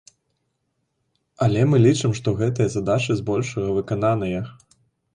Але мы лічым, што гэтыя задачы збольшага выкананыя.